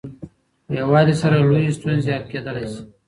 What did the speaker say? په يووالي سره لويې ستونزې حل کيدلای سي.